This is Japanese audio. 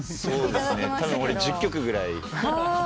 俺１０曲ぐらい。